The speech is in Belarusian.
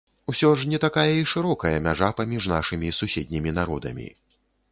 Усё ж не такая і шырокая мяжа паміж нашымі суседнімі народамі.